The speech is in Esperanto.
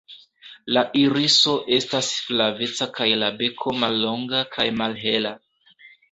La iriso estas flaveca kaj la beko mallonga kaj malhela.